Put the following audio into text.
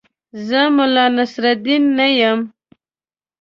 زه ملا نصرالدین نه یم.